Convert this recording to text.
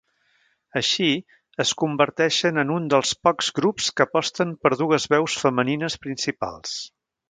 Així, es converteixen en un dels pocs grups que aposten per dues veus femenines principals.